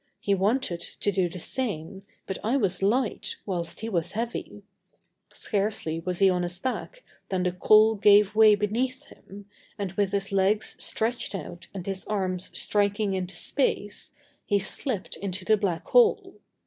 He wanted to do the same, but I was light, whilst he was heavy. Scarcely was he on his back than the coal gave way beneath him and, with his legs stretched out and his arms striking into space, he slipped into the black hole.